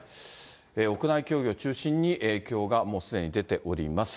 屋外競技を中心に影響がもうすでに出ております。